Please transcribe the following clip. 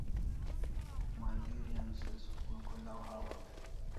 Malgeri an se school kholaw hawaw e?